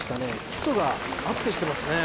基礎がアップしてますね